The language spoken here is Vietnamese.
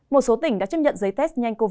một số tỉnh đã chấp nhận giấy tờ tương đương